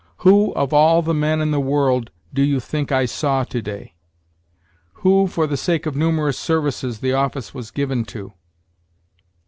'Who, of all the men in the world, do you think I saw to day?' 'Who, for the sake of numerous services, the office was given to.'